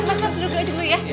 mas mas duduk dulu aja dulu ya